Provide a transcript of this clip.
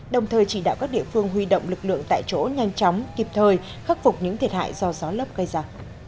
đồng thời chỉ đạo các địa phương huy động lực lượng tại chỗ nhanh chóng kịp thời khắc phục những thiệt hại do gió lấp gây ra